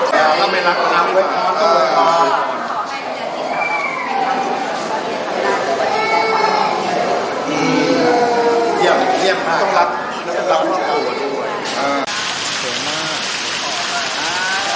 ให้เข้ามาเรียบกลาย